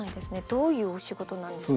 どういうお仕事なんですか？